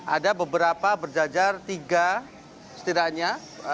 ada beberapa berjajar tiga setidaknya